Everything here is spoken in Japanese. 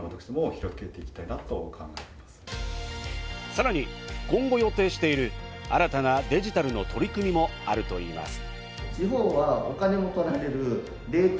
さらに、今後予定している新たなデジタルの取り組みもあるといいます。